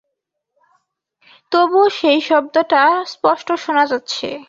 তবুও সেই শব্দটা স্পষ্ট শোনা যাচ্ছে।